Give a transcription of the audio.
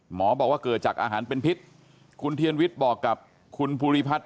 บอกว่าเกิดจากอาหารเป็นพิษคุณเทียนวิทย์บอกกับคุณภูริพัฒน์